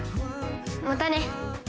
またね。